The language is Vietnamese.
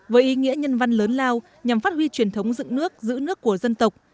với ý nghĩa nhân văn lớn lao nhằm phát huy truyền thống dựng nước giữ nước của dân tộc